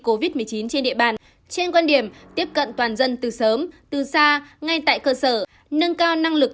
covid một mươi chín trên địa bàn trên quan điểm tiếp cận toàn dân từ sớm từ xa ngay tại cơ sở nâng cao năng lực